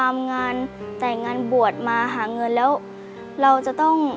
มีการแข่งคำว่า